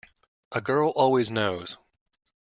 A girl always knows.